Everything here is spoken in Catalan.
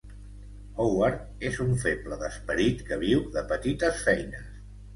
Howard és un feble d'esperit que viu de petites feines.